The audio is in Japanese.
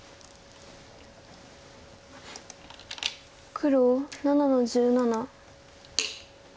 黒７の十七。